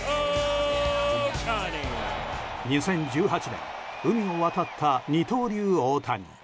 ２０１８年、海を渡った二刀流、大谷。